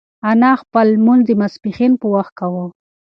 انا خپل لمونځ د ماسپښین په وخت کاوه.